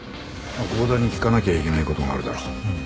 剛田に聞かなきゃいけない事があるだろ。